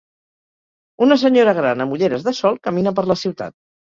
Una senyora gran amb ulleres de sol camina per la ciutat.